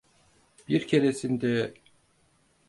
Bir keresinde…